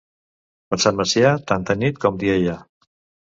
Per Sant Macià tanta nit com dia hi ha.